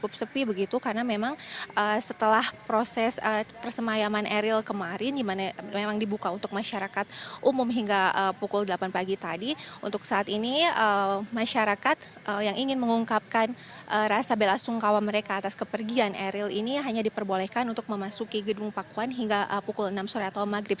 untuk saat ini masyarakat yang ingin mengungkapkan rasa bela sungkawa mereka atas kepergian eril ini hanya diperbolehkan untuk memasuki gedung pakuan hingga pukul enam sore atau maghrib